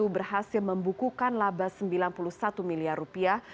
berhasil membukukan laba sembilan puluh satu miliar rupiah